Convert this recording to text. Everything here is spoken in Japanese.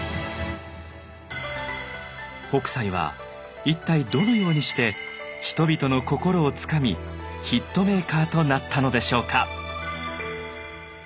北斎は一体どのようにして人々の心をつかみヒットメーカーとなったのでしょうか。